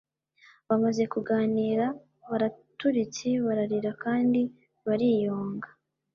Bamaze kuganira baraturitse bararira kandi bariyunga